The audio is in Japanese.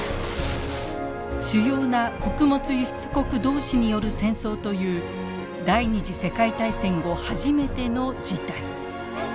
主要な穀物輸出国同士による戦争という第２次世界大戦後初めての事態。